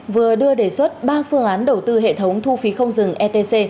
vừa đưa đề xuất ba phương án đầu tư hệ thống thu phí không dừng etc